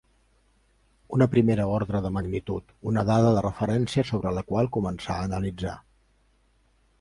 Una primera ordre de magnitud, una dada de referència sobre el qual començar a analitzar.